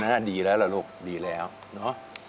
อันนั้นดีแล้วละลูกดีแล้วเนอะ